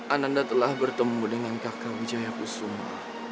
ananda telah bertemu dengan kakak wijayaku suma